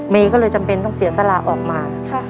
ก็เลยจำเป็นต้องเสียสละออกมา